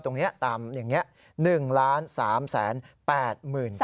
ตรงนี้ตามอย่างนี้๑๓๘๐๐๐บาท